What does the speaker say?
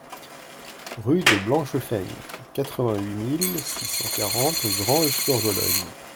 Rue de Blanchefeigne, quatre-vingt-huit mille six cent quarante Granges-sur-Vologne